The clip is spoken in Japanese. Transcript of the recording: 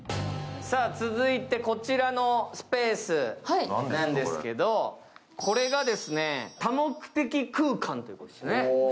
続いてこちらのスペースなんですけど、これがですね、多目的空間ですね。